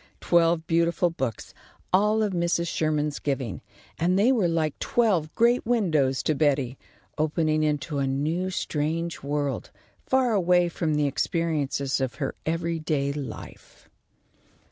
Twelve beautiful books, all of Mrs. Sherman's giving, and they were like twelve great windows to Betty, opening into a new strange world, far away from the experiences of her every day life.